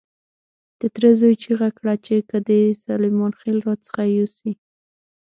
د تره زوی چیغه کړه چې که دې سلیمان خېل را څخه يوسي.